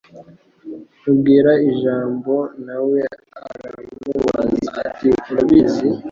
nkubwira ijambo na we aramubaza ati urabizi